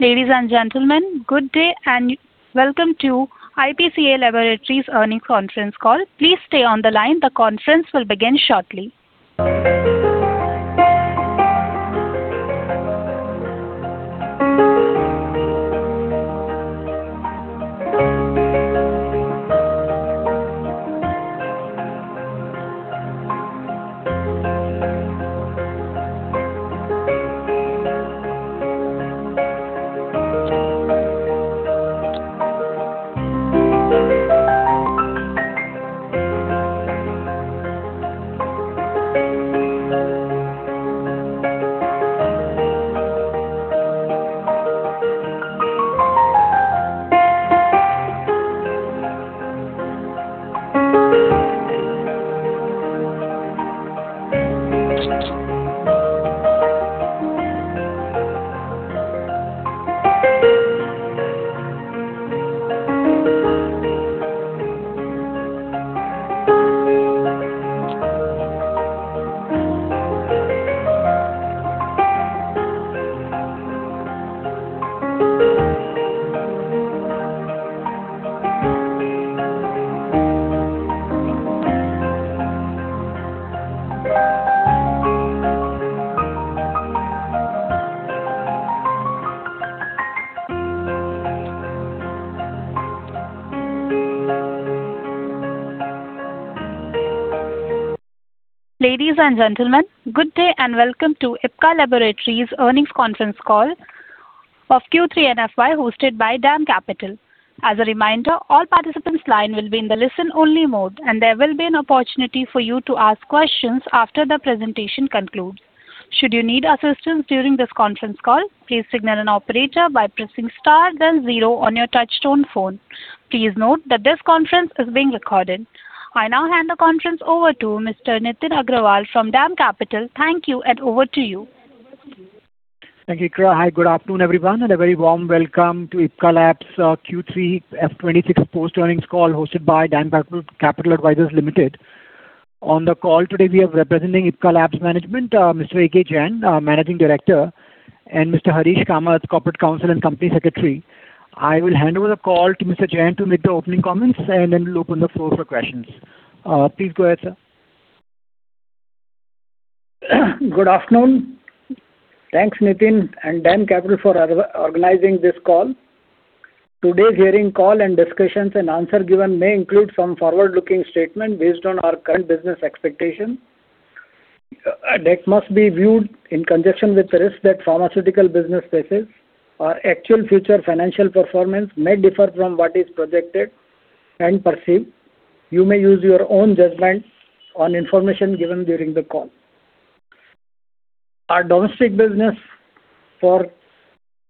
Ladies and gentlemen, good day, and welcome to Ipca Laboratories Earnings Conference Call. Please stay on the line. The conference will begin shortly. Ladies and gentlemen, good day, and welcome to Ipca Laboratories Earnings Conference Call of Q3 FY, hosted by DAM Capital. As a reminder, all participants line will be in the listen-only mode, and there will be an opportunity for you to ask questions after the presentation concludes. Should you need assistance during this conference call, please signal an operator by pressing star then zero on your touchtone phone. Please note that this conference is being recorded. I now hand the conference over to Mr. Nitin Agarwal from DAM Capital. Thank you, and over to you. Thank you. Hi, good afternoon, everyone, and a very warm welcome to Ipca Labs Q3 FY26 post-earnings call, hosted by DAM Capital Advisors Limited. On the call today, we have representing Ipca Labs management, Mr. A.K. Jain, our Managing Director, and Mr. Harish Kamath, Corporate Counsel and Company Secretary. I will hand over the call to Mr. Jain to make the opening comments, and then we'll open the floor for questions. Please go ahead, sir. Good afternoon. Thanks, Nitin and DAM Capital for organizing this call. Today's earnings call and discussions and answers given may include some forward-looking statements based on our current business expectations, that must be viewed in conjunction with the risks that pharmaceutical business faces. Our actual future financial performance may differ from what is projected and perceived. You may use your own judgment on information given during the call. Our domestic business for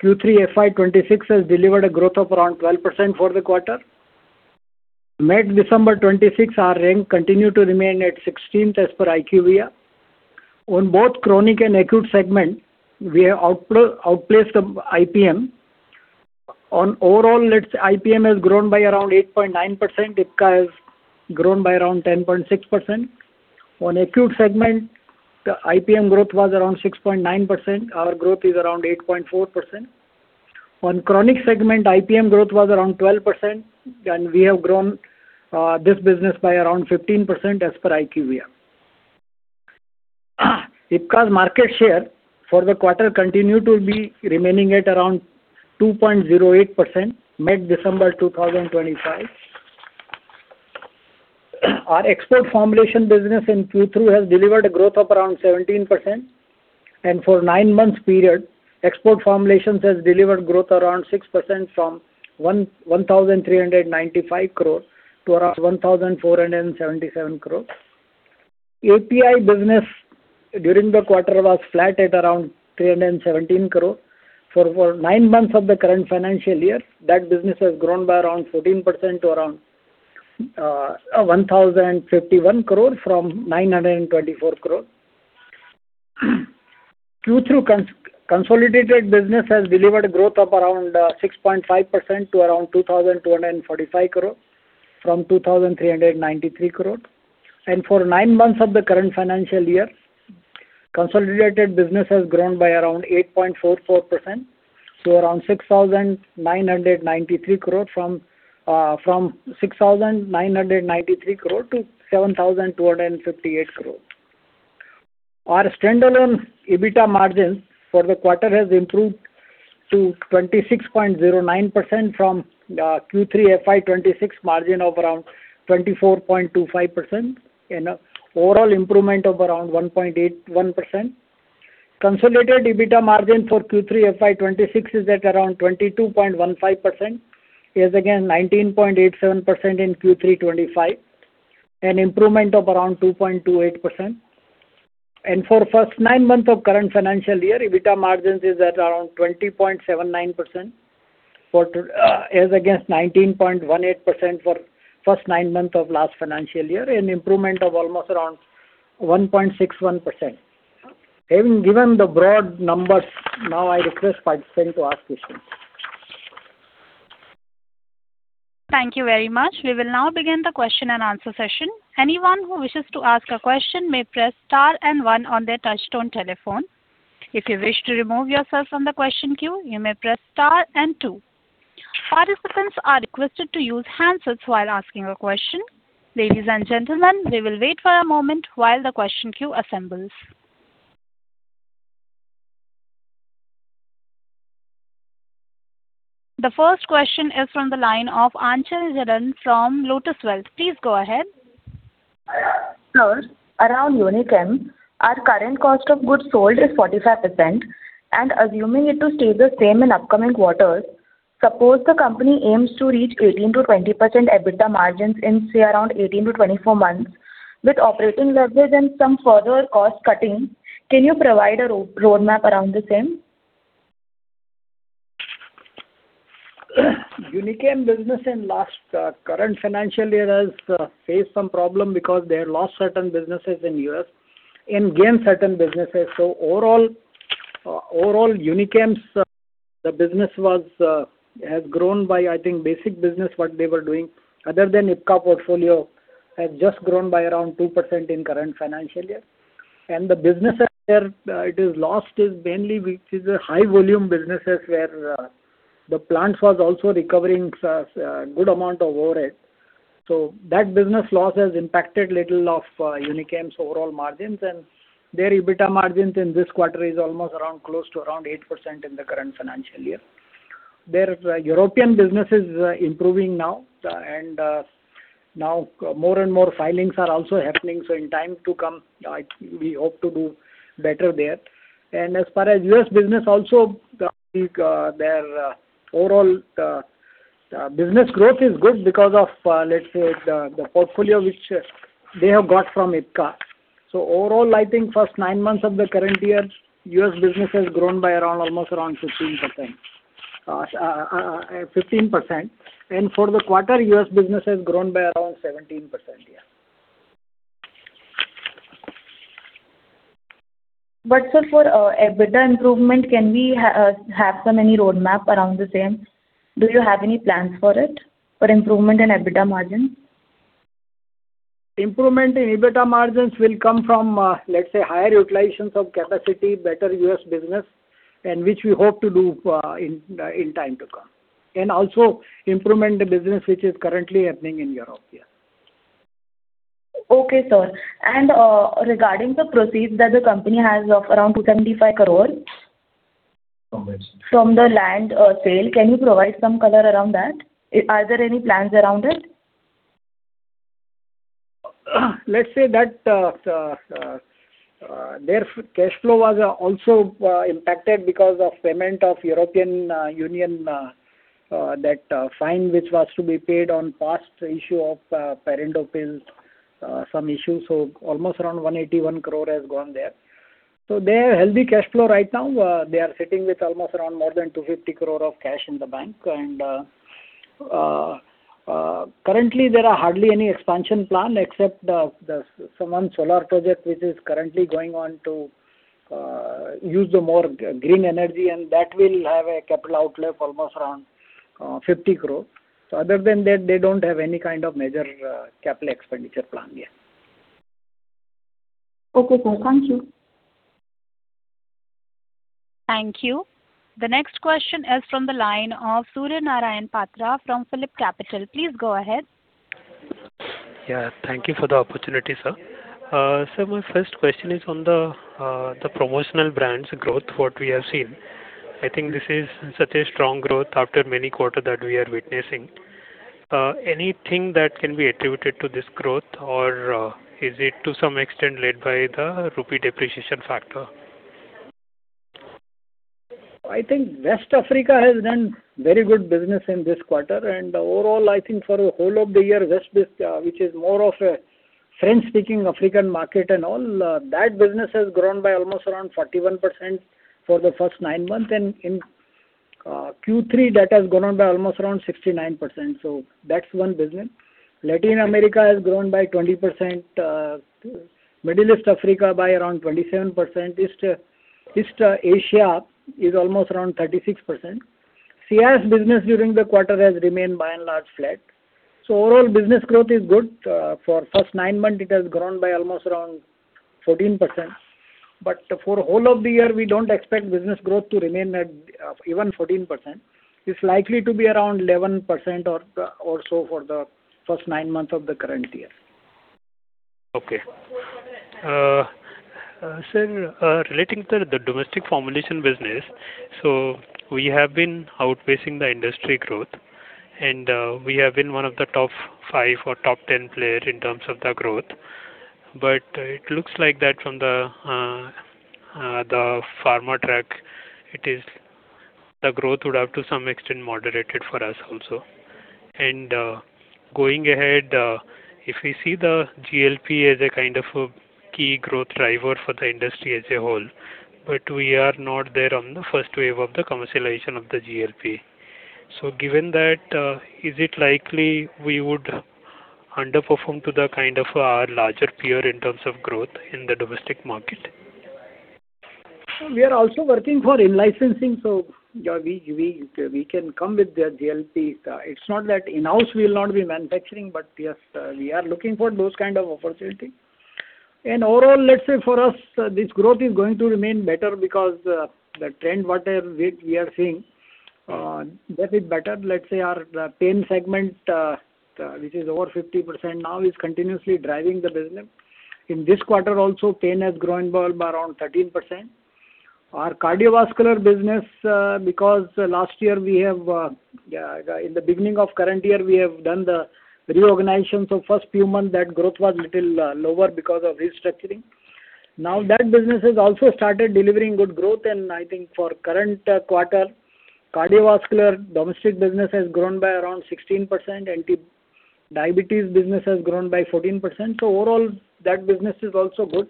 Q3 FY26 has delivered a growth of around 12% for the quarter. Mid-December 2026, our rank continued to remain at 16th, as per IQVIA. On both chronic and acute segments, we have outplaced the IPM. Overall, IPM has grown by around 8.9%, IPCA has grown by around 10.6%. On acute segment, the IPM growth was around 6.9%, our growth is around 8.4%. On chronic segment, IPM growth was around 12%, and we have grown this business by around 15% as per IQVIA. Ipca's market share for the quarter continued to be remaining at around 2.08% mid-December 2025. Our export formulation business in Q3 has delivered a growth of around 17%, and for nine months period, export formulations has delivered growth around 6% from 1,395 crore to around 1,477 crore. API business during the quarter was flat at around 317 crore. For nine months of the current financial year, that business has grown by around 14% to around 1,051 crore from 924 crore. Q3 consolidated business has delivered growth of around 6.5% to around 2,245 crore, from 2,393 crore. For nine months of the current financial year, consolidated business has grown by around 8.44%, to 7,258 crore from INR 6,993 crore. Our standalone EBITDA margin for the quarter has improved to 26.09% from Q3 FY26 margin of around 24.25%, and overall improvement of around 1.81%. Consolidated EBITDA margin for Q3 FY26 is at around 22.15%. It is again 19.87% in Q3 25, an improvement of around 2.28%. For first nine months of current financial year, EBITDA margins is at around 20.79%, for, as against 19.18% for first nine months of last financial year, an improvement of almost around 1.61%. Having given the broad numbers, now I request participants to ask questions. ...Thank you very much. We will now begin the question and answer session. Anyone who wishes to ask a question may press star and one on their touchtone telephone. If you wish to remove yourself from the question queue, you may press star and two. Participants are requested to use handsets while asking a question. Ladies and gentlemen, we will wait for a moment while the question queue assembles. The first question is from the line of Anchal Zaran from Lotus Wealth. Please go ahead. Sir, around Unichem, our current cost of goods sold is 45%, and assuming it to stay the same in upcoming quarters, suppose the company aims to reach 18%-20% EBITDA margins in, say, around 18-24 months. With operating leverage and some further cost cutting, can you provide a roadmap around the same? Unichem business in last, current financial year has faced some problem because they have lost certain businesses in US and gained certain businesses. So overall, overall Unichem's, the business was, has grown by, I think, basic business, what they were doing, other than Ipca portfolio, has just grown by around 2% in current financial year. And the businesses where, it is lost is mainly which is a high volume businesses, where, the plants was also recovering, good amount of overhead. So that business loss has impacted little of, Unichem's overall margins, and their EBITDA margins in this quarter is almost around, close to around 8% in the current financial year. Their European business is improving now, and now more and more filings are also happening, so in time to come, we hope to do better there. And as far as U.S. business also, their overall business growth is good because of, let's say, the portfolio which they have got from Ipca. So overall, I think first nine months of the current year, U.S. business has grown by around, almost around 15%, 15%. And for the quarter, U.S. business has grown by around 17%. Yeah. Sir, for EBITDA improvement, can we have some any roadmap around the same? Do you have any plans for it, for improvement in EBITDA margin? Improvement in EBITDA margins will come from, let's say, higher utilizations of capacity, better U.S. business, and which we hope to do, in time to come, and also improvement in the business which is currently happening in Europe. Yeah. Okay, sir. And, regarding the proceeds that the company has of around 275 crore- From which? From the land sale, can you provide some color around that? Are there any plans around it? Let's say that their cash flow was also impacted because of payment of European Union fine, which was to be paid on past issue of patent appeals, some issues. So almost around 181 crore has gone there. So they have healthy cash flow right now. They are sitting with almost around more than 250 crore of cash in the bank. Currently, there are hardly any expansion plan except the one solar project, which is currently going on to use more green energy, and that will have a capital outlay almost around 50 crore. So other than that, they don't have any kind of major capital expenditure plan. Yeah. Okay, sir. Thank you. Thank you. The next question is from the line of Surya Narayan Patra from PhillipCapital. Please go ahead. Yeah, thank you for the opportunity, sir. Sir, my first question is on the promotional brands growth, what we have seen. I think this is such a strong growth after many quarter that we are witnessing. Anything that can be attributed to this growth, or is it to some extent led by the rupee depreciation factor? I think West Africa has done very good business in this quarter, and overall, I think for the whole of the year, West, which is more of a French-speaking African market and all, that business has grown by almost around 41% for the first nine months, and in Q3, that has grown by almost around 69%. So that's one business. Latin America has grown by 20%, Middle East, Africa by around 27%. East Asia is almost around 36%. CIS business during the quarter has remained by and large flat. So overall business growth is good. For first nine months, it has grown by almost around 14%, but for whole of the year, we don't expect business growth to remain at even 14%. It's likely to be around 11% or so for the first 9 months of the current year. Okay. Sir, relating to the domestic formulation business, so we have been outpacing the industry growth, and we have been one of the top five or top 10 player in terms of the growth. But it looks like that from the Pharmarack, the growth would have to some extent moderated for us also. Going ahead, if we see the GLP as a kind of a key growth driver for the industry as a whole, but we are not there on the first wave of the commercialization of the GLP. So given that, is it likely we would underperform to the kind of our larger peer in terms of growth in the domestic market? So we are also working for in-licensing, so yeah, we, we, we can come with the GLP. It's not that in-house we will not be manufacturing, but yes, we are looking for those kind of opportunity. And overall, let's say for us, this growth is going to remain better because the trend, whatever we are seeing, that is better. Let's say our, the pain segment, which is over 50% now, is continuously driving the business. In this quarter also, pain has grown by around 13%. Our cardiovascular business, because last year we have in the beginning of current year, we have done the reorganization. So first few months, that growth was little lower because of restructuring. Now, that business has also started delivering good growth, and I think for current, quarter, cardiovascular domestic business has grown by around 16%, anti-diabetes business has grown by 14%. So overall, that business is also good.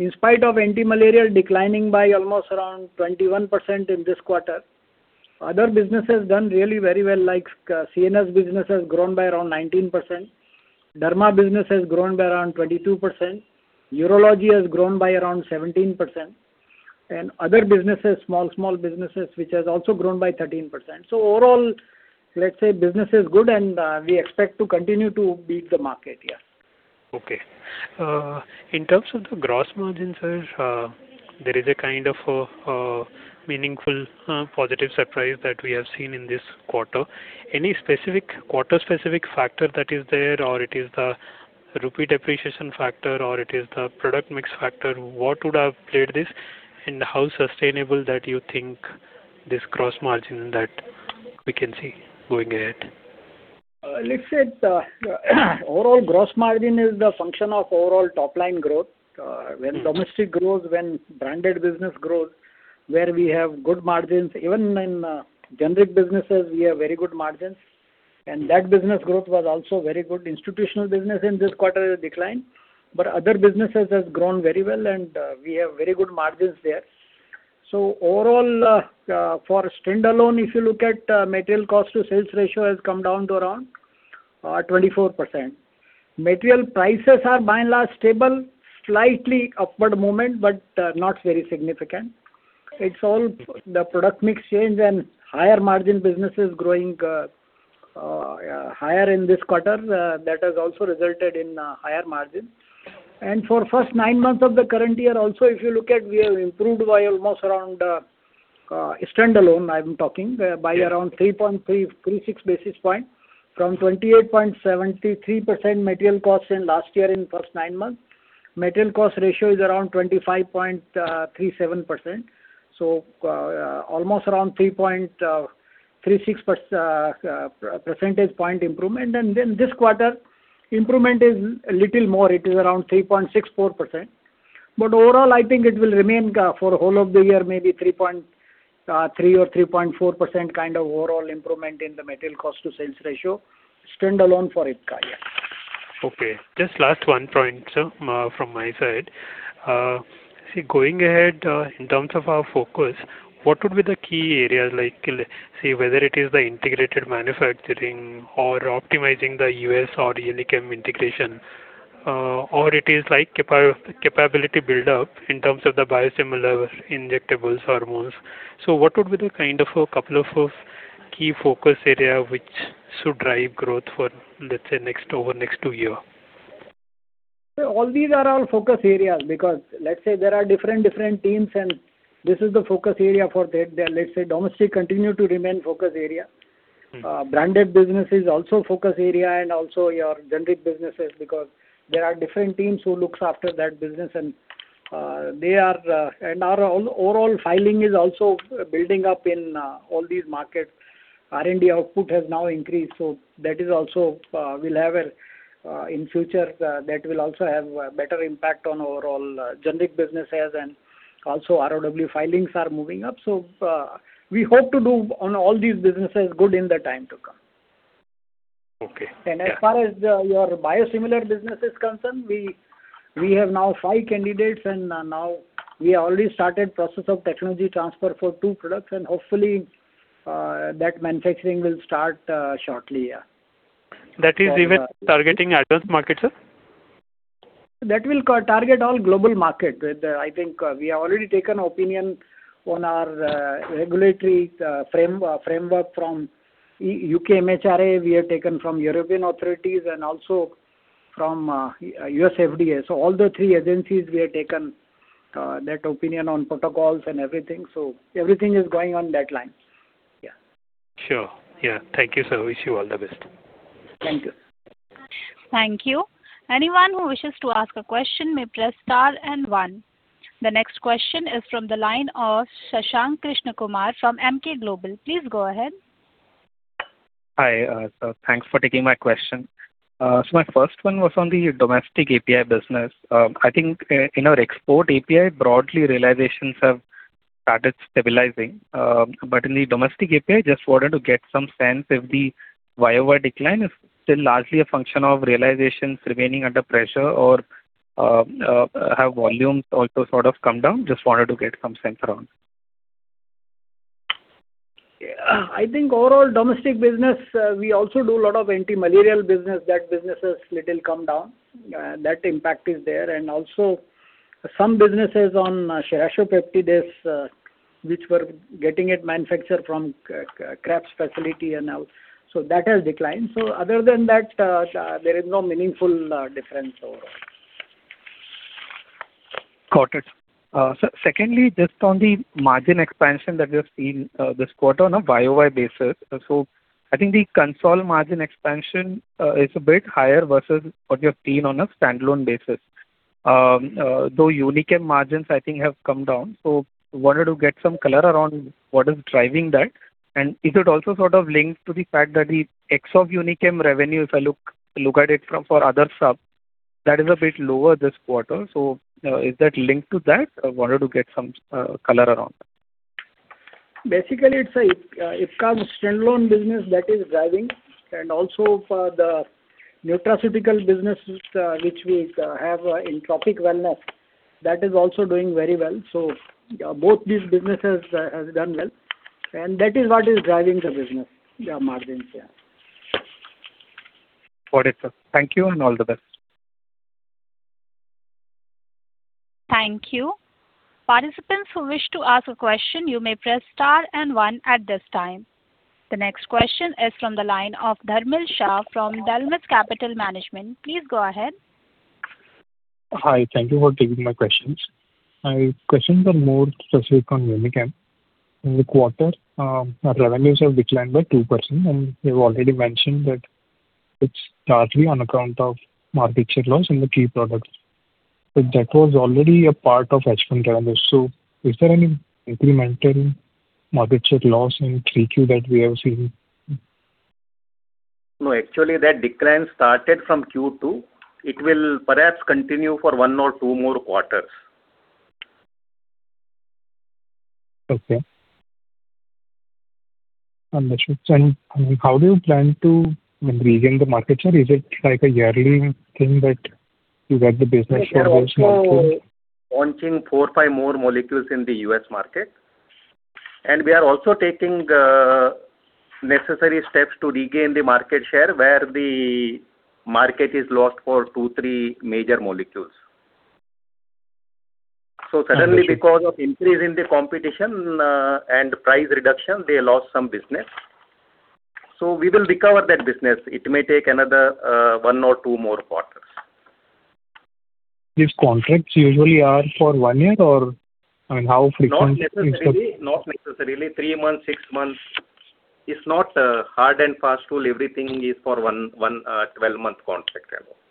In spite of anti-malaria declining by almost around 21% in this quarter, other businesses done really very well, like, CNS business has grown by around 19%, Derma business has grown by around 22%, Urology has grown by around 17%, and other businesses, small, small businesses, which has also grown by 13%. So overall, let's say business is good, and, we expect to continue to beat the market. Yes. Okay. In terms of the gross margin, sir, there is a kind of meaningful positive surprise that we have seen in this quarter. Any specific, quarter specific factor that is there, or it is the rupee depreciation factor, or it is the product mix factor? What would have played this, and how sustainable that you think this gross margin that we can see going ahead? Let's say, overall, gross margin is the function of overall top line growth. When domestic grows, when branded business grows, where we have good margins, even in, generic businesses, we have very good margins, and that business growth was also very good. Institutional business in this quarter is declined, but other businesses has grown very well, and, we have very good margins there. So overall, for standalone, if you look at, material cost to sales ratio has come down to around, 24%. Material prices are by and large, stable, slightly upward moment, but, not very significant. It's all the product mix change and higher margin businesses growing, higher in this quarter, that has also resulted in, higher margin. For the first nine months of the current year also, if you look at, we have improved by almost around standalone. I'm talking, Yes. by around 336 basis points, from 28.73% material cost in last year in first nine months. Material cost ratio is around 25.37%. So almost around 3.36 percentage point improvement. And then, this quarter, improvement is a little more, it is around 3.64%. But overall, I think it will remain, for whole of the year, maybe 3.3% or 3.4% kind of overall improvement in the material cost to sales ratio, standalone for Ipca. Yeah. Okay. Just last one point, sir, from my side. See, going ahead, in terms of our focus, what would be the key areas like, see whether it is the integrated manufacturing or optimizing the US or Unichem integration, or it is like capability build-up in terms of the biosimilar, injectables, hormones. So what would be the kind of a couple of key focus area which should drive growth for, let's say, next over next two year? So all these are our focus areas, because let's say there are different, different teams, and this is the focus area for that. Then let's say domestic continue to remain focus area. Mm-hmm. Branded business is also focus area and also your generic businesses, because there are different teams who looks after that business and they are. Our overall filing is also building up in all these markets. R&D output has now increased, so that is also will have a in future that will also have a better impact on overall generic businesses and also ROW filings are moving up. We hope to do on all these businesses good in the time to come. Okay, yeah. As far as your biosimilar business is concerned, we have now five candidates and now we already started process of technology transfer for two products, and hopefully that manufacturing will start shortly, yeah. That is even targeting advanced markets, sir? That will target all global markets. With I think, we have already taken opinion on our regulatory framework from UK MHRA, we have taken from European authorities and also from US FDA. So all the three agencies, we have taken that opinion on protocols and everything. So everything is going on that line. Yeah. Sure. Yeah. Thank you, sir. Wish you all the best. Thank you. Thank you. Anyone who wishes to ask a question may press star and one. The next question is from the line of Shashank Krishna Kumar from Emkay Global. Please go ahead. Hi, so thanks for taking my question. So my first one was on the domestic API business. I think, in our export API, broadly, realizations have started stabilizing. But in the domestic API, just wanted to get some sense if the YoY decline is still largely a function of realizations remaining under pressure or, have volumes also sort of come down? Just wanted to get some sense around. I think overall domestic business, we also do a lot of anti-malarial business. That business is little come down, that impact is there. And also some businesses on tirzepatide, which were getting it manufactured from, Krebs' facility and now, so that has declined. So other than that, there is no meaningful, difference overall. Got it. So secondly, just on the margin expansion that we have seen this quarter on a YOY basis. So I think the consolidated margin expansion is a bit higher versus what we have seen on a standalone basis. Though Unichem margins, I think, have come down. So wanted to get some color around what is driving that, and is it also sort of linked to the fact that the ex of Unichem revenues, if I look at it from for other sub, that is a bit lower this quarter, so is that linked to that? I wanted to get some color around that. Basically, it's a Ipca standalone business that is driving, and also for the nutraceutical business, which we have in Tropic Wellness, that is also doing very well. So, yeah, both these businesses has done well, and that is what is driving the business, their margins, yeah. Got it, sir. Thank you, and all the best. Thank you. Participants who wish to ask a question, you may press star and one at this time. The next question is from the line of Dharmil Shah from DAM Capital. Please go ahead. Hi, thank you for taking my questions. My questions are more specific on Unichem. In the quarter, our revenues have declined by 2%, and you've already mentioned that it's partly on account of market share loss in the key products. But that was already a part of H1 revenues. So is there any incremental market share loss in Q3 that we have seen? No, actually, that decline started from Q2. It will perhaps continue for one or two more quarters. Okay. Understood. How do you plan to regain the market share? Is it like a yearly thing that you get the business share loss market? Launching 4-5 more molecules in the U.S. market. We are also taking necessary steps to regain the market share, where the market is lost for 2-3 major molecules. Okay. Suddenly, because of increase in the competition, and price reduction, they lost some business. We will recover that business. It may take another, one or two more quarters. These contracts usually are for one year, or, I mean, how frequent is the- Not necessarily, not necessarily. Three months, six months. It's not hard and fast rule, everything is for one, one, twelve-month contract alone.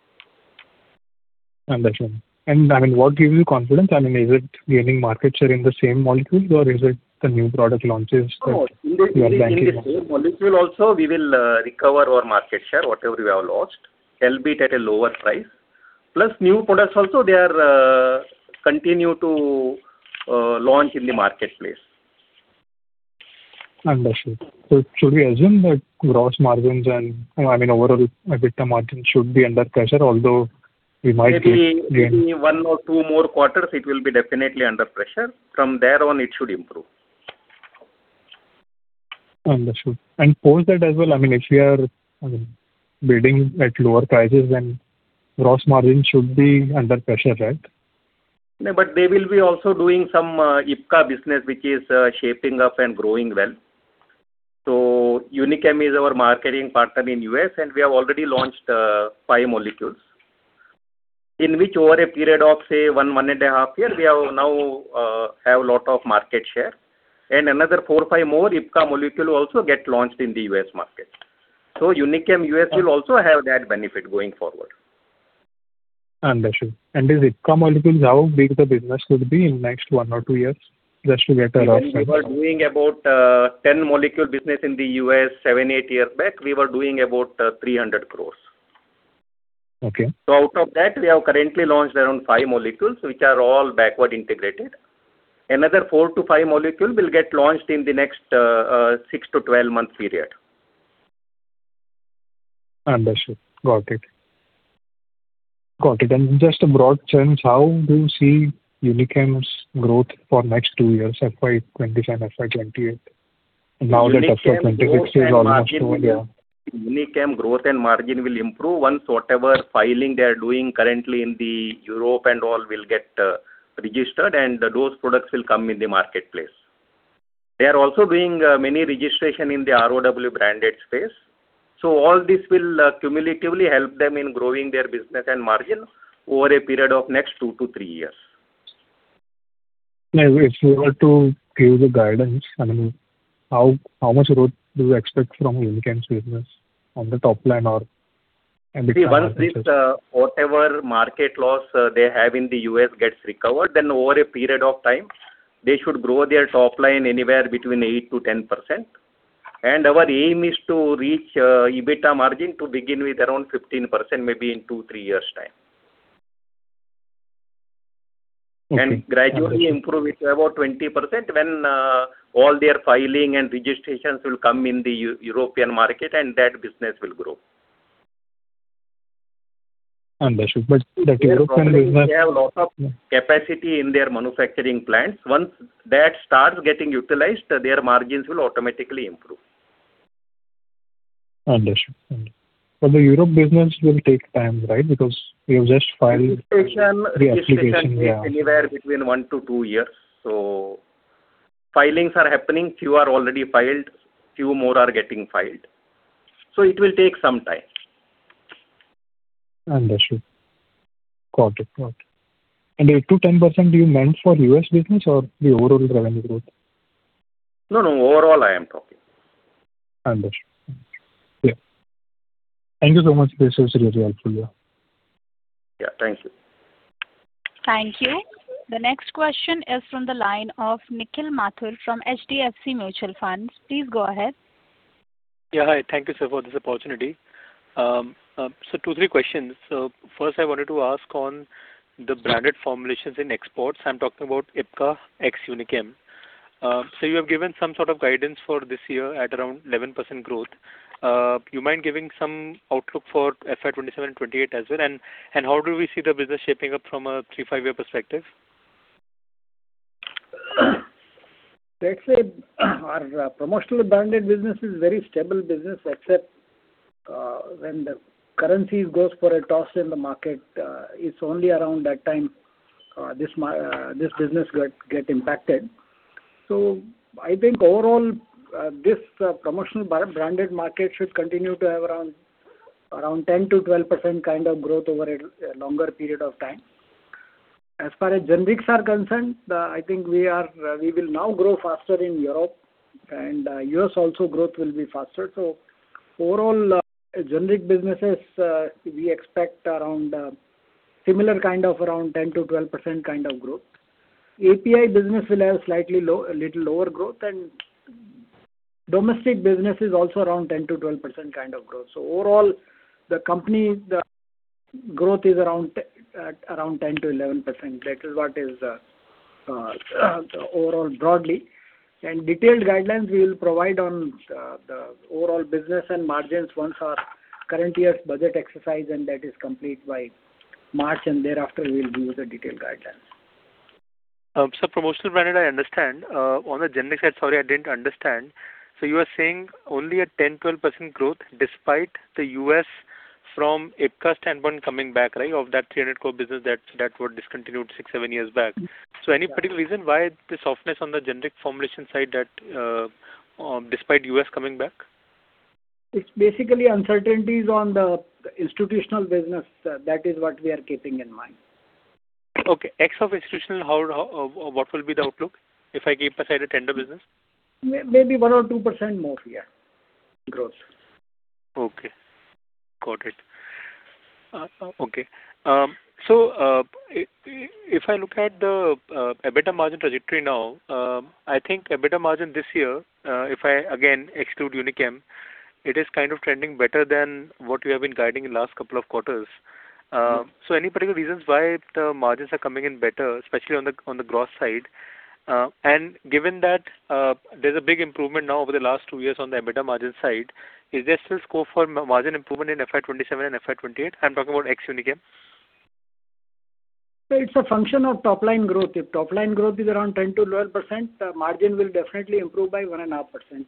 Understood. I mean, what gives you confidence? I mean, is it gaining market share in the same molecules, or is it the new product launches that you are banking on? No, in the same molecule also, we will recover our market share, whatever we have lost, albeit at a lower price. Plus, new products also, they are continue to launch in the marketplace. Understood. So should we assume that gross margins and, I mean, overall, EBITDA margins should be under pressure, although we might get- Maybe, maybe one or two more quarters, it will be definitely under pressure. From there on, it should improve. Understood. And post that as well, I mean, if we are, I mean, bidding at lower prices than gross margin should be under pressure, right? No, but they will be also doing some Ipca business, which is shaping up and growing well. So Unichem is our marketing partner in U.S., and we have already launched five molecules. In which over a period of, say, 1, 1 and a half year, we have now have a lot of market share. And another 4-5 more Ipca molecule also get launched in the U.S. market. So Unichem U.S. will also have that benefit going forward. Understood. These Ipca molecules, how big the business could be in next one or two years? Just to get a rough idea. When we were doing about 10 molecule business in the U.S. 7 years-8 years back, we were doing about 300 crore. Okay. So out of that, we have currently launched around 5 molecules, which are all backward integrated. Another 4-5 molecule will get launched in the next 6- to 12-month period. Understood. Got it. Got it. Just a broad sense, how do you see Unichem's growth for next two years, FY25, FY28? Now that FY26 is almost over, yeah. Unichem growth and margin will improve once whatever filing they are doing currently in the Europe and all will get registered, and those products will come in the marketplace. They are also doing many registration in the ROW branded space. So all this will cumulatively help them in growing their business and margin over a period of next two to three years. Yeah, if you were to give the guidance, I mean, how much growth do you expect from Unichem's business on the top line or... and the profit? See, once this whatever market loss they have in the U.S. gets recovered, then over a period of time, they should grow their top line anywhere between 8%-10%. Our aim is to reach EBITDA margin to begin with around 15%, maybe in 2-3 years' time. Okay. Gradually improve it to about 20% when all their filing and registrations will come in the European market, and that business will grow. Understood, but the Europe business- They have a lot of capacity in their manufacturing plants. Once that starts getting utilized, their margins will automatically improve. Understood. But the Europe business will take time, right? Because you have just filed the application, yeah. Anywhere between 1 years-2 years. So filings are happening, few are already filed, few more are getting filed. So it will take some time. Understood. Got it, got it. The 8%-10%, do you mean for U.S. business or the overall revenue growth? No, no. Overall, I am talking. Understood. Yeah. Thank you so much. This is really helpful, yeah. Yeah. Thank you. Thank you. The next question is from the line of Nikhil Mathur from HDFC Mutual Fund. Please go ahead. Yeah, hi. Thank you, sir, for this opportunity. So two, three questions. So first, I wanted to ask on the branded formulations in exports. I'm talking about Ipca ex Unichem. So you have given some sort of guidance for this year at around 11% growth. You mind giving some outlook for FY 2027 and 2028 as well? And how do we see the business shaping up from a 3 years-5-year perspective? Let's say, our promotional branded business is very stable business, except, when the currencies goes for a toss in the market, it's only around that time, this business get impacted. So I think overall, this promotional branded market should continue to have around 10%-12% kind of growth over a longer period of time. As far as generics are concerned, I think we are... We will now grow faster in Europe, and, U.S. also growth will be faster. So overall, generic businesses, we expect around similar kind of around 10%-12% kind of growth. API business will have slightly low, a little lower growth, and domestic business is also around 10%-12% kind of growth. So overall, the company, the growth is around at around 10%-11%. That is what is overall broadly. And detailed guidelines we will provide on the overall business and margins once our current year's budget exercise, and that is complete by March, and thereafter we will give you the detailed guidance. So promotional branded, I understand. On the generic side, sorry, I didn't understand. So you are saying only a 10%-12% growth despite the U.S. from Ipca standpoint coming back, right? Of that 300 crore business that, that were discontinued 6 years-7 years back. So any particular reason why the softness on the generic formulation side that, despite U.S. coming back? It's basically uncertainties on the institutional business. That is what we are keeping in mind. Okay. Excluding institutional, what will be the outlook if I keep aside the tender business? Maybe, maybe 1% or 2% more, yeah, growth. Okay. Got it. Okay. So, if I look at the EBITDA margin trajectory now, I think EBITDA margin this year, if I again exclude Unichem, it is kind of trending better than what we have been guiding in last couple of quarters. So any particular reasons why the margins are coming in better, especially on the growth side? And given that, there's a big improvement now over the last two years on the EBITDA margin side, is there still scope for margin improvement in FY 27 and FY 28? I'm talking about ex Unichem. It's a function of top line growth. If top line growth is around 10%-12%, margin will definitely improve by 1.5%+.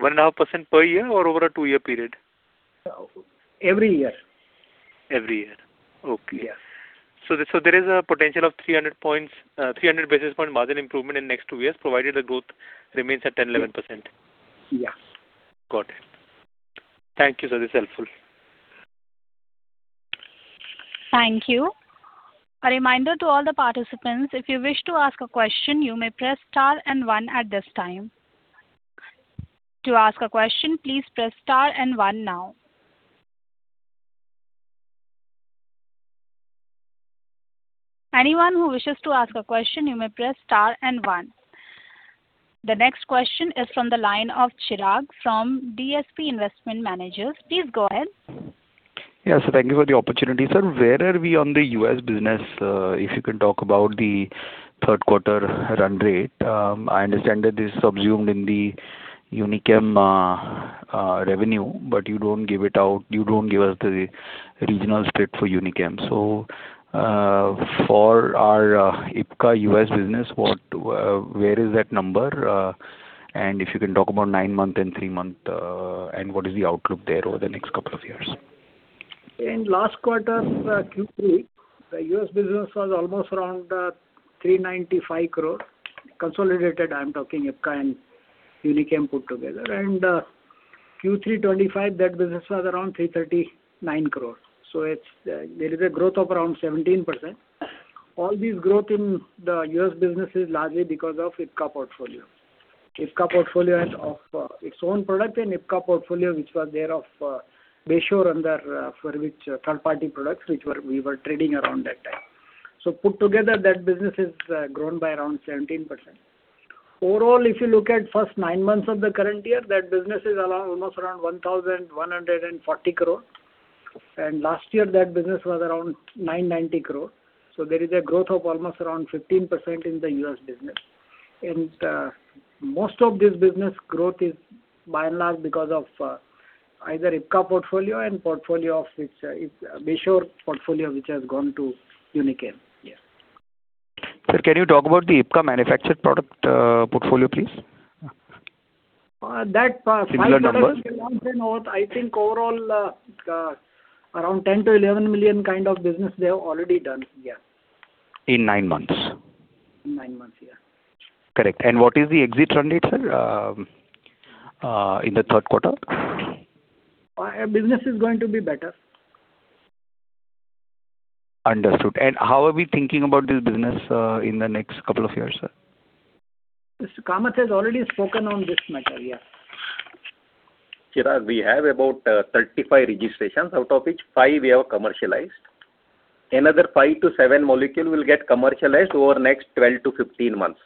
1.5% per year or over a two-year period? Every year. Every year. Okay. Yeah. So there is a potential of 300 points, 300 basis point margin improvement in next 2 years, provided the growth remains at 10%-11%? Yeah. Got it. Thank you, sir. This is helpful. Thank you. A reminder to all the participants, if you wish to ask a question, you may press star and one at this time. To ask a question, please press star and one now. Anyone who wishes to ask a question, you may press star and one. The next question is from the line of Chirag from DSP Investment Managers. Please go ahead. Yeah, so thank you for the opportunity. Sir, where are we on the U.S. business? If you can talk about the third quarter run rate. I understand that this is subsumed in the Unichem revenue, but you don't give us the regional split for Unichem. So, for our Ipca U.S. business, what, where is that number? And if you can talk about nine-month and three-month, and what is the outlook there over the next couple of years? In last quarter, Q3, the US business was almost around 395 crore. Consolidated, I'm talking Ipca and Unichem put together. Q3 2025, that business was around 339 crore. So it's there is a growth of around 17%. All this growth in the US business is largely because of Ipca portfolio. Ipca portfolio has of its own product and Ipca portfolio, which was there of Bayshore under for which third-party products which were we were trading around that time. So put together, that business has grown by around 17%. Overall, if you look at first nine months of the current year, that business is around almost around 1,140 crore. And last year that business was around 990 crore. There is a growth of almost around 15% in the U.S. business. Most of this business growth is by and large because of either Ipca portfolio and portfolio of which is Bayshore portfolio, which has gone to Unichem. Yeah. Sir, can you talk about the Ipca manufactured product portfolio, please? Uh, that, uh- Similar numbers. I think overall, around 10 million-11 million kind of business they have already done. Yeah. In nine months? In nine months, yeah. Correct. What is the exit run rate, sir, in the third quarter? Business is going to be better. Understood. How are we thinking about this business, in the next couple of years, sir? Mr. Kamath has already spoken on this matter. Yeah. Chirag, we have about 35 registrations, out of which five we have commercialized. Another 5-7 molecule will get commercialized over the next 12 months-15 months.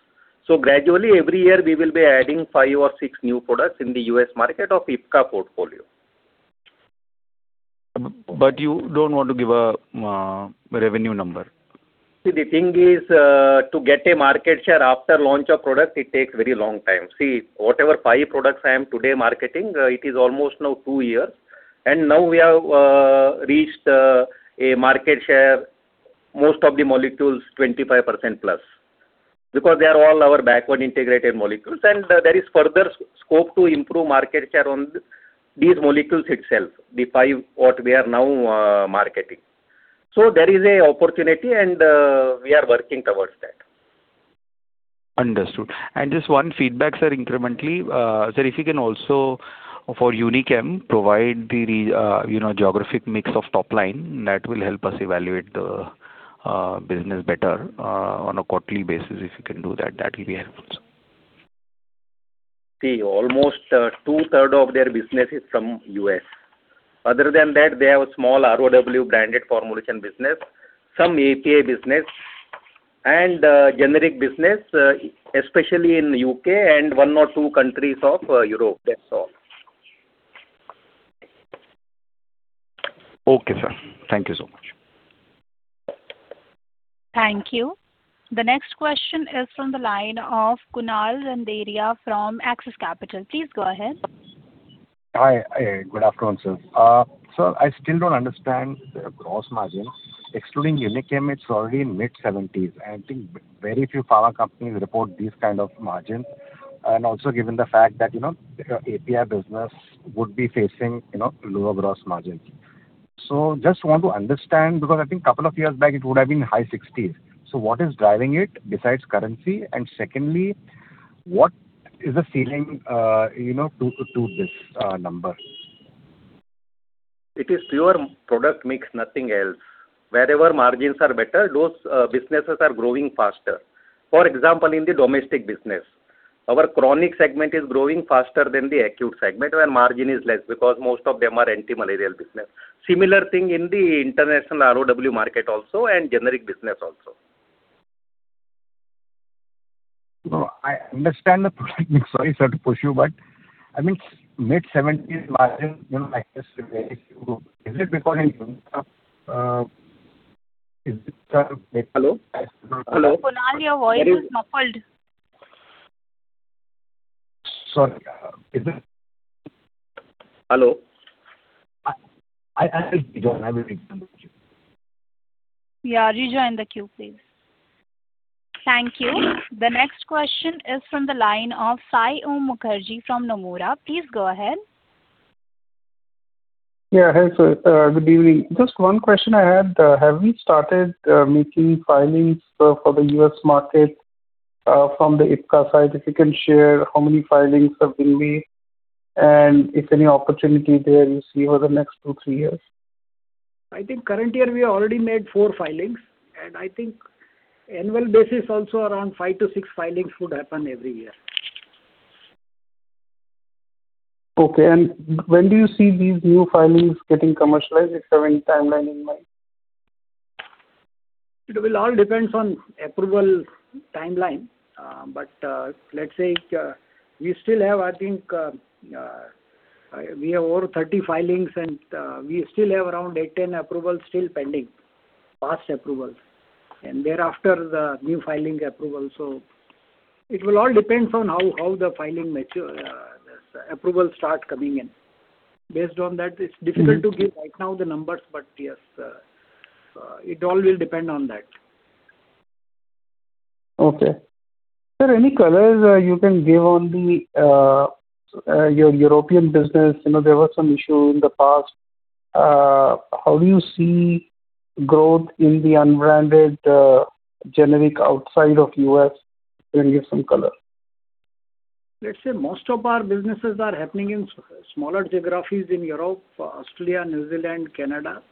Gradually, every year we will be adding 5 or 6 new products in the U.S. market of Ipca portfolio. But you don't want to give a revenue number? See, the thing is, to get a market share after launch of product, it takes very long time. See, whatever five products I am today marketing, it is almost now 2 years, and now we have reached a market share, most of the molecules, 25%+. Because they are all our backward integrated molecules, and there is further scope to improve market share on these molecules itself, the five what we are now marketing. So there is a opportunity and, we are working towards that. Understood. Just one feedback, sir, incrementally. Sir, if you can also, for Unichem, provide the geographic mix of top line, that will help us evaluate the business better on a quarterly basis. If you can do that, that will be helpful, sir. See, almost two-thirds of their business is from U.S. Other than that, they have a small ROW branded formulation business, some API business, and generic business, especially in U.K. and one or two countries of Europe. That's all. Okay, sir. Thank you so much. Thank you. The next question is from the line of Kunal Randeria from Axis Capital. Please go ahead. Hi, good afternoon, sir. Sir, I still don't understand the gross margins. Excluding Unichem, it's already mid-seventies, and I think very few pharma companies report these kind of margins. And also given the fact that, you know, API business would be facing, you know, lower gross margins. So just want to understand, because I think couple of years back it would have been high sixties. So what is driving it besides currency? And secondly, what is the ceiling, you know, to, to this number? It is pure product mix, nothing else. Wherever margins are better, those businesses are growing faster. For example, in the domestic business, our chronic segment is growing faster than the acute segment, where margin is less because most of them are anti-malaria business. Similar thing in the international ROW market also and generic business also. No, I understand the product mix. Sorry, sir, to push you, but I mean, mid-seventies margin, you know, like this, is it because of, Hello? Hello. Kunal, your voice is muffled. Sorry. Hello? I will rejoin. I will rejoin the queue. Yeah, rejoin the queue, please. Thank you. The next question is from the line of Saion Mukherjee from Nomura. Please go ahead. Yeah, hi, sir. Good evening. Just one question I had. Have you started making filings for the U.S. market from the Ipca side? If you can share how many filings have been made, and if any opportunity there you see over the next two, three years. I think current year we have already made four filings, and I think annual basis also around five-six filings would happen every year. Okay. And when do you see these new filings getting commercialized, if you have any timeline in mind? It will all depend on approval timeline. But, let's say, we still have, I think, we have over 30 filings, and we still have around 8, 10 approvals still pending, past approvals, and thereafter, the new filing approval. So it will all depend on how the filing mature, the approval start coming in. Based on that, it's difficult to give right now the numbers, but yes, it all will depend on that. Okay. Sir, any colors you can give on your European business? You know, there were some issues in the past. How do you see growth in the unbranded generic outside of U.S.? Can you give some color? Let's say most of our businesses are happening in smaller geographies in Europe, Australia, New Zealand, Canada,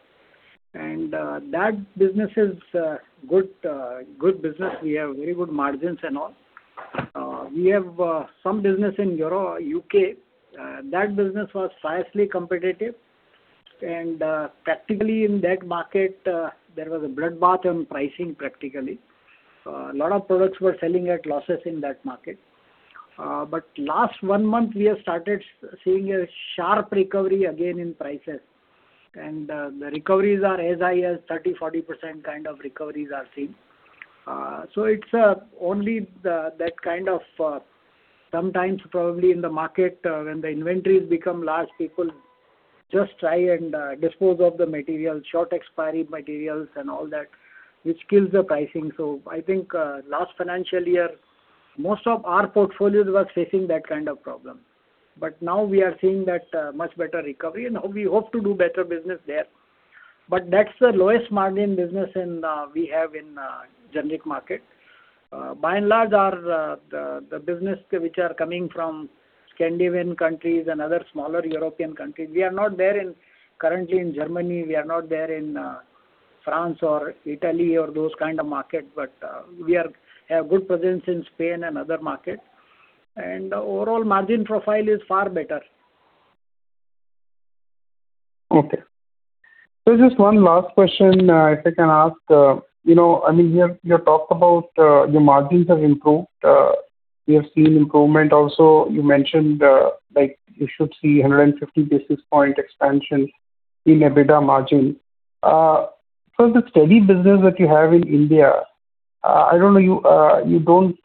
and that business is good business. We have very good margins and all. We have some business in Europe, UK. That business was seriously competitive, and practically in that market there was a bloodbath on pricing, practically. A lot of products were selling at losses in that market. But last one month we have started seeing a sharp recovery again in prices, and the recoveries are as high as 30%-40% kind of recoveries are seen. So it's only the that kind of sometimes probably in the market when the inventories become large, people just try and dispose of the material, short expiry materials and all that, which kills the pricing. So I think, last financial year, most of our portfolios were facing that kind of problem. But now we are seeing that, much better recovery, and now we hope to do better business there. But that's the lowest margin business in we have in generic market. By and large, our the business which are coming from Scandinavian countries and other smaller European countries, we are not there currently in Germany, we are not there in France or Italy or those kind of market, but we have good presence in Spain and other market. Overall margin profile is far better. Okay. So just one last question, if I can ask. You know, I mean, you have, you have talked about your margins have improved, we have seen improvement also, you mentioned, like you should see 150 basis point expansion in EBITDA margin. So the steady business that you have in India, I don't know, you, you don't,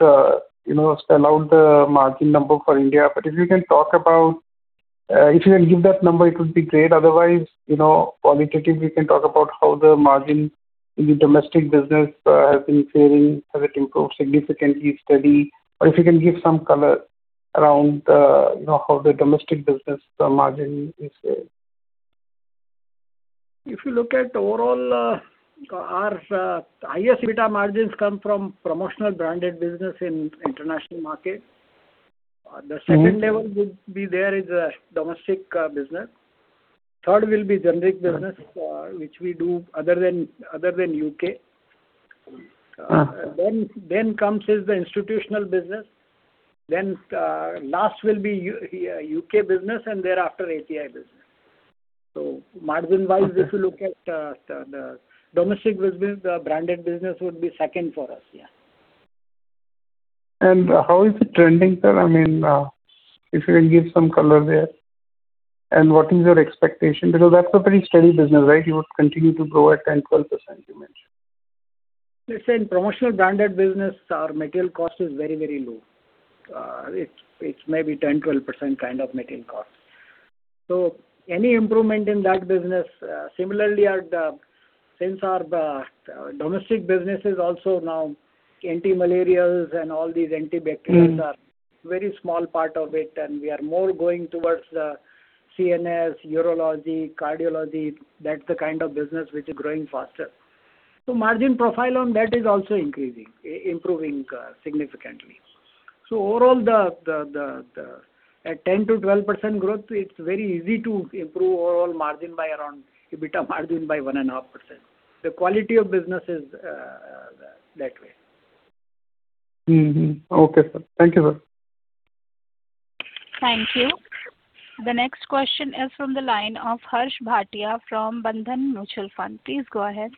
you know, spell out the margin number for India, but if you can talk about, if you can give that number, it would be great. Otherwise, you know, qualitatively, you can talk about how the margin in the domestic business has been faring. Has it improved significantly, steady? Or if you can give some color around, you know, how the domestic business, the margin is... If you look at overall, our highest EBITDA margins come from promotional branded business in international market. The second level- Mm. would be there is a domestic business. Third will be generic business, which we do other than, other than UK. Uh. Then comes the institutional business, then, last will be the U.K. business, and thereafter, API business. So margin-wise- Okay. If you look at the domestic business, the branded business would be second for us, yeah. How is it trending, sir? I mean, if you can give some color there, and what is your expectation? Because that's a pretty steady business, right? You would continue to grow at 10%-12%, you mentioned. Listen, promotional branded business, our material cost is very, very low. It's maybe 10-12% kind of material cost. So any improvement in that business, similarly, at the... Since our domestic business is also now anti-malarias and all these antibacterials- Mm. are very small part of it, and we are more going towards the CNS, urology, cardiology. That's the kind of business which is growing faster. So margin profile on that is also increasing, improving significantly. So overall, at 10%-12% growth, it's very easy to improve overall margin by around, EBITDA margin by 1.5%. The quality of business is that way. Mm-hmm. Okay, sir. Thank you, sir. Thank you. The next question is from the line of Harsh Bhatia from Bandhan Mutual Fund. Please go ahead.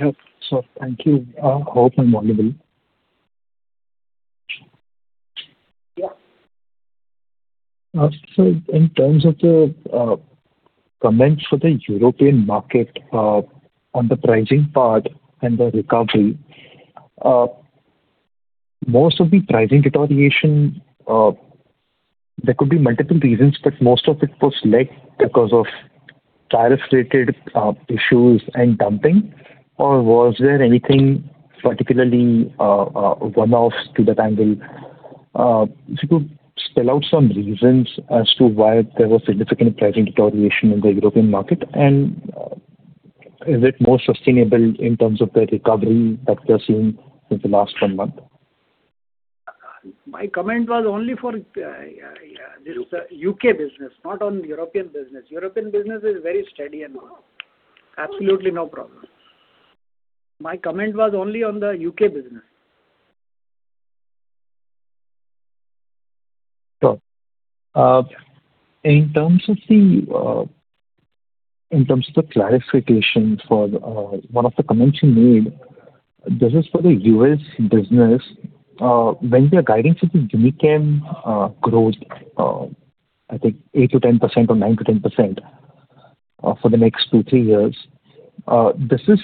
Yep. So thank you. Open audible. Yeah. So in terms of the comments for the European market on the pricing part and the recovery, most of the pricing deterioration, there could be multiple reasons, but most of it was led because of tariff-related issues and dumping. Or was there anything particularly one-off to that angle? If you could spell out some reasons as to why there was significant pricing deterioration in the European market, and is it more sustainable in terms of the recovery that we are seeing in the last one month? My comment was only for U.K. business, not on European business. European business is very steady and absolutely no problem. My comment was only on the U.K. business. Sure. In terms of the clarification for one of the comments you made, this is for the U.S. business. When we are guiding for the Unichem growth, I think 8%-10% or 9%-10% for the next 2-years-3 years, this is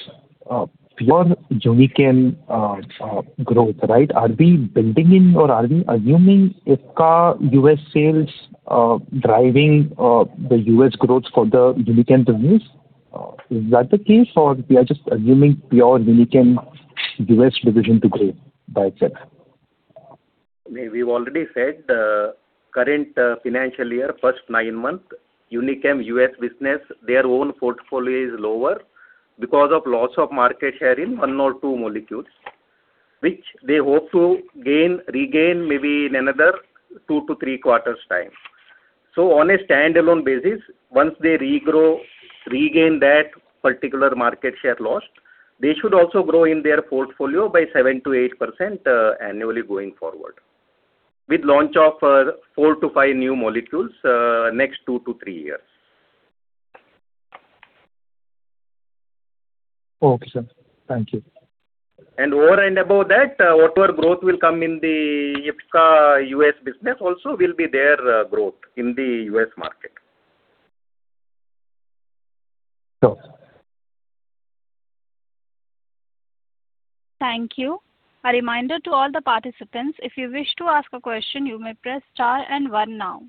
pure Unichem growth, right? Are we building in or are we assuming Ipca U.S. sales driving the U.S. growth for the Unichem business? Is that the case, or are we just assuming pure Unichem U.S. division to grow by itself? We've already said, current financial year, first nine months, Unichem U.S. business, their own portfolio is lower because of loss of market share in 1 or 2 molecules, which they hope to gain, regain, maybe in another 2-3 quarters' time. So on a standalone basis, once they regrow, regain that particular market share lost, they should also grow in their portfolio by 7%-8% annually going forward, with launch of 4-5 new molecules next 2 years-3 years. Okay, sir. Thank you. Over and above that, whatever growth will come in the Ipca US business also will be their growth in the US market. Sure. Thank you. A reminder to all the participants, if you wish to ask a question, you may press star and one now.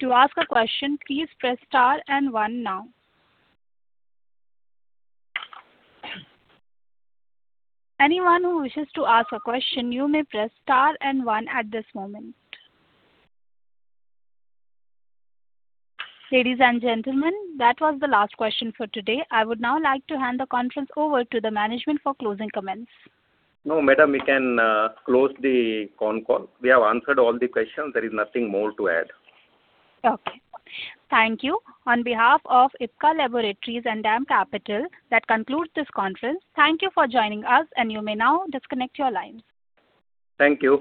To ask a question, please press star and one now. Anyone who wishes to ask a question, you may press star and one at this moment. Ladies and gentlemen, that was the last question for today. I would now like to hand the conference over to the management for closing comments. No, madam, we can close the con call. We have answered all the questions. There is nothing more to add. Okay. Thank you. On behalf of Ipca Laboratories and DAM Capital, that concludes this conference. Thank you for joining us, and you may now disconnect your lines. Thank you.